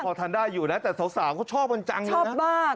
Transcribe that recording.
พอทานได้อยู่นะแต่สาวเขาชอบมันจังเลยนะ